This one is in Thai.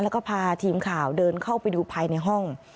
แล้วก็พาทีมข่าวเดินเข้าไปดูภายในห้อง